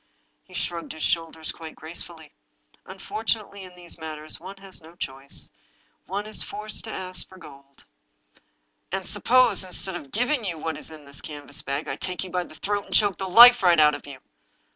He shrugged his shoulders quite gracefully. " Unfortunately, in these matters one has no choice— one is forced to ask for gold." " And suppose, instead of giving you what is in this canvas bag, I take you by the throat and choke the life right out of you